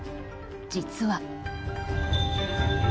実は。